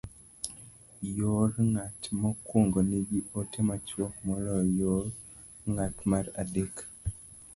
Yor ng'at mokwongo nigi ote machuok moloyo yor ng'at mar adek.